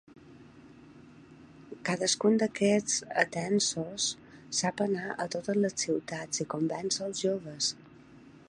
Cadascun d'aquests, atenesos, sap anar a totes les ciutats i convèncer els joves.